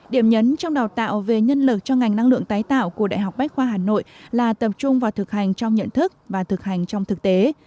điểm nhấn trong đào tạo về nhân lực cho ngành năng lượng tái tạo của đại học bách khoa hà nội là tập trung vào thực hành trong nhận thức và thực hành trong thực tế